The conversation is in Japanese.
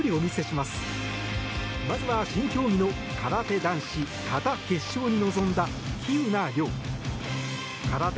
まずは新競技の空手男子形決勝に臨んだ喜友名諒選手。